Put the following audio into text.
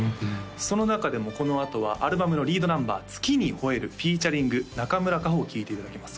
その中でもこのあとはアルバムのリードナンバー「月に吠えるｆｅａｔ．中村佳穂」を聴いていただきます